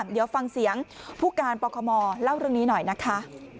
เดี๋ยวฟังเสียงผู้การปคมเล่าเรื่องนี้หน่อยนะคะ